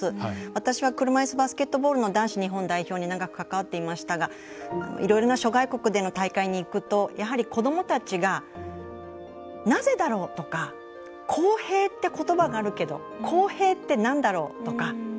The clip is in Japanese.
私は車いすバスケットボールの男子日本代表に長く関わっていましたがいろいろな諸外国での大会に行くとやはり、子どもたちがなぜだろうとか公平ってことばがあるけど公平ってなんだろうとか。